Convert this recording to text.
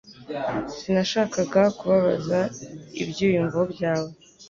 Sinashakaga kubabaza ibyiyumvo byawe